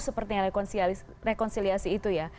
seperti rekonsiliasi itu ya